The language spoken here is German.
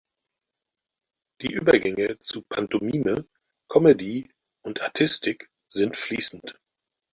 Die Übergänge zu Pantomime, Comedy und Artistik sind fließend.